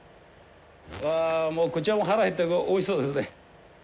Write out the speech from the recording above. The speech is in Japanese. うわもうこちらも腹減っておいしそうですね。